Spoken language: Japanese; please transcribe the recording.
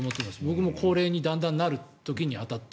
僕も高齢にだんだんなる時に当たって。